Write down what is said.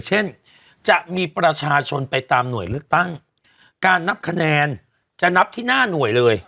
เช่นจะมีประชาชนไปตามหน่วยเลือกตั้งการนับคะแนนจะนับที่หน้าหน่วยเลย